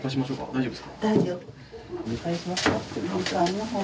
大丈夫。